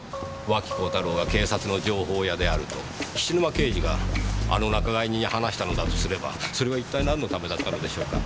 脇幸太郎が警察の情報屋であると菱沼刑事があの仲買人に話したのだとすればそれは一体なんのためだったのでしょうか？